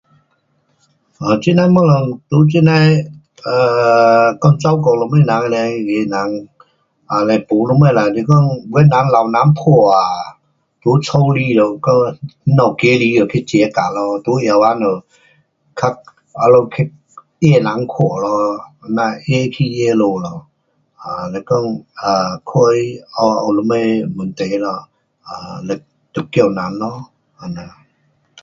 哦，这样东西在这样的，呃，讲照顾什么人，嘞那个人，啊嘞没什么人。是讲有的人老人看啊，在家里是讲那家孩儿去 jaga 咯，在药房就较那里它个人看咯，这样看去看下咯，啊若讲，看他啊有什么问题咯，啊就叫人咯。这样。